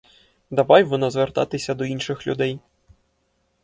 Давай вона звертатися до інших людей.